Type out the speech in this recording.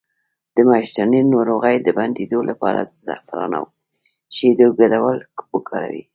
د میاشتنۍ ناروغۍ د بندیدو لپاره د زعفران او شیدو ګډول وکاروئ